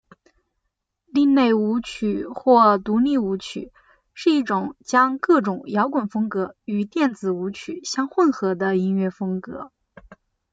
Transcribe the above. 另类舞曲或独立舞曲是一种将各种摇滚风格与电子舞曲相混合的音乐风格。